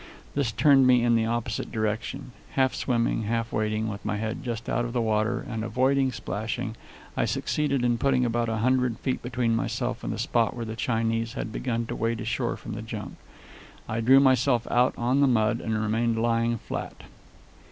This turned me in the opposite direction. Half swimming, half wading, with my head just out of water and avoiding splashing, I succeeded in putting about a hundred feet between myself and the spot where the Chinese had begun to wade ashore from the junk. I drew myself out on the mud and remained lying flat.